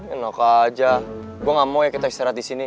enak aja gua ga mau ya kita istirahat disini